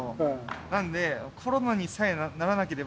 なので、コロナにさえならなければ。